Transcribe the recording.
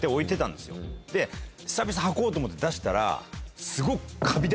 久々履こうと思って出したらすごく。